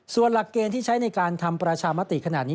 ส่วนหลักเกณฑ์ที่ใช้ในการทำประชามติขนาดนี้